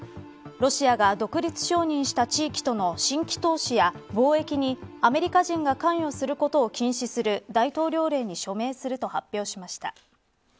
ロシアが独立承認した地域との新規投資や貿易にアメリカ人が関与することを禁止する大統領令に署名すると発表しました。